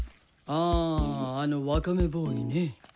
ああのワカメボーイね。